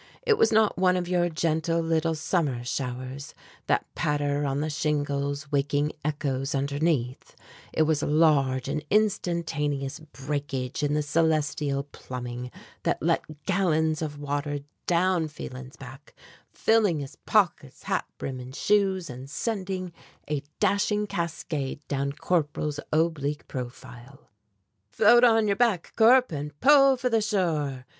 It was not one of your gentle little summer showers, that patter on the shingles waking echoes underneath; it was a large and instantaneous breakage in the celestial plumbing that let gallons of water down Phelan's back, filling his pockets, hat brim, and shoes and sending a dashing cascade down Corporal's oblique profile. "Float on your back, Corp, and pull for the shore!"